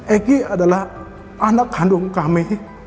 egy adalah anak kandung kami